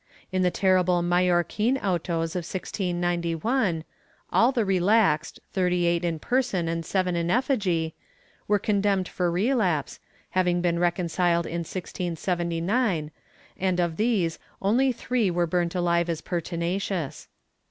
^ In the terrible Mallorquin autos of 1691, all the relaxed — thirty eight in person and seven in effigy — were condemned for relapse, hav ing been reconciled in 1679, and of these only three were burnt alive as pertinacious.